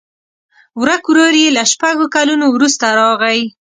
ورک ورور یې له شپږو کلونو وروسته راغی.